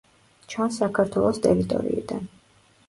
ჩანს საქართველოს ტერიტორიიდან.